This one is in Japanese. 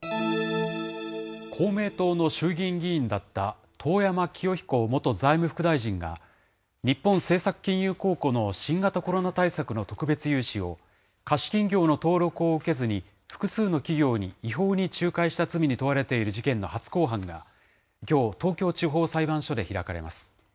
公明党の衆議院議員だった遠山清彦元財務副大臣が、日本政策金融公庫の新型コロナ対策の特別融資を、貸金業の登録を受けずに、複数の企業に違法に仲介した罪に問われている事件の初公判が、きょう、東京地方裁判所で開かれます。